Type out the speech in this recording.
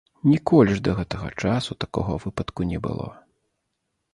Ніколі ж да гэтага часу такога выпадку не было.